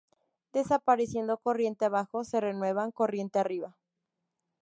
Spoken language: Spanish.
Desapareciendo corriente abajo, se renuevan corriente arriba.